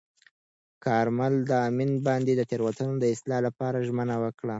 کارمل د امین بانډ د تېروتنو د اصلاح لپاره ژمنه وکړه.